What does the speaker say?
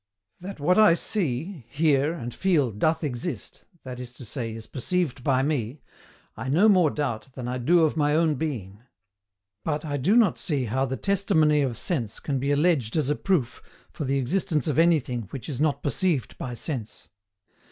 That what I see, hear, and feel DOTH EXIST, THAT IS to say, IS PERCEIVED BY ME, I no more doubt than I do of my own being. But I do not see how the testimony of sense can be alleged as a proof for the existence of anything which is not perceived by sense.